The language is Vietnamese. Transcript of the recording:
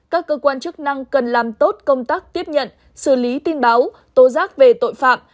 các cơ quan chức năng cần làm tốt công tác tiếp nhận xử lý tin báo tố giác về tội phạm